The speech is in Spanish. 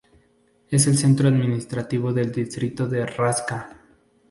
Es el centro administrativo del Distrito de Raška.